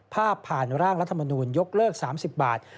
ผ่านร่างรัฐมนูลยกเลิก๓๐บาท